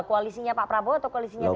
koalisinya pak prabowo atau koalisinya gajah